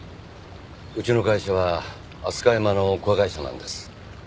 うちの会社はアスカヤマの子会社なんです。